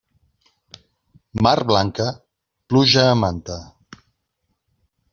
Mar blanca, pluja a manta.